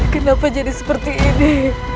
kenapa jadi seperti ini